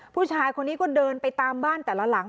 ผู้ชายคนนี้ก็เดินไปตามบ้านแต่ละหลัง